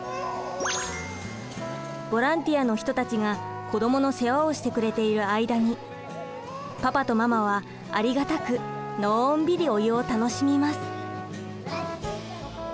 ボランティアの人たちが子どもの世話をしてくれている間にパパとママはありがたくのんびりお湯を楽しみます。